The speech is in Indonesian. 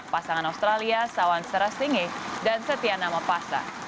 pasangan australia sawan sarastinge dan setiana mapasta